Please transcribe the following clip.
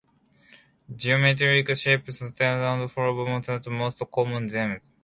Geometric shapes, stars and flower motifs are the most common themes.